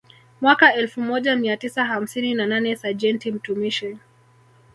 Mwaka elfu moja mia tisa hamsini na nane Sajenti mtumishi